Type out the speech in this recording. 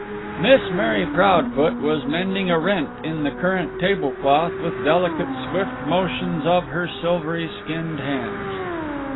Miss Mary Proudfoot was mending a rent in the current table cloth with delicate swift motions of her silvery skinned hands.